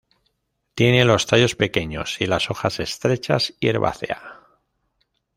Tiene los tallos pequeños y las hojas estrechas y herbácea.